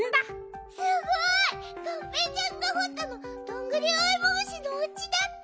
すごい！がんぺーちゃんがほったのどんぐりおいも虫のおうちだって！